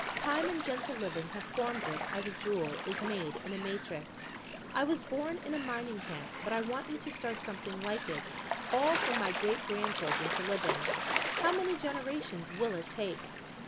"Time and gentle living have formed it as a jewel is made in a matrix. I was born in a mining camp, but I want you to start something like it all for my great grandchildren to live in. How many generations will it take?"